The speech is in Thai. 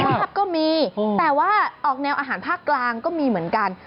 ภาพก็มีแต่ว่าออกแนวอาหารภาคกลางก็มีเหมือนกัน